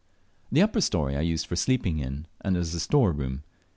The upper story I used for sleeping in, and for a store room.